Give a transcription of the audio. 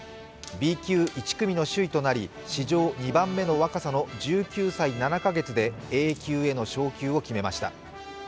Ｂ級１組の首位となり、史上２番目の若さの１９歳７カ月でＡ級への昇級を決めました。